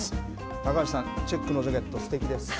高橋さん、チェックのジャケット、すてきです。